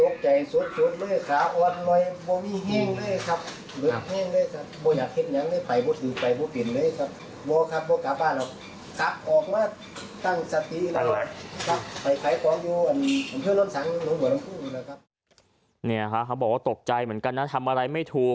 เขาบอกว่าตกใจเหมือนกันนะทำอะไรไม่ถูก